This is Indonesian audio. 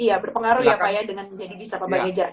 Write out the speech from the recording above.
iya berpengaruh ya pak ya dengan menjadi bisnis apa banyak jarak